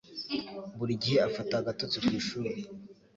Buri gihe afata agatotsi ku ishuri.